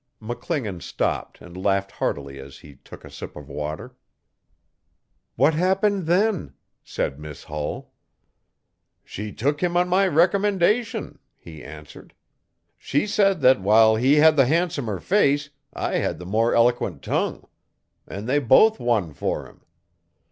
McClingan stopped and laughed heartily as he took a sip of water. 'What happened then?' said Miss I lull. 'She took him on my recommendation,' he answered. 'She said that, while he had the handsomer face, I had the more eloquent tongue. And they both won for him.